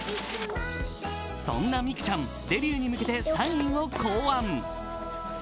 そんな美空ちゃんデビューに向けてサインを考案。